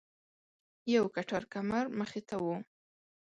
یو کټار کمر مخې ته و.